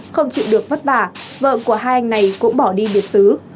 không chịu được vất vả vợ của hai anh này cũng bỏ đi biệt xứ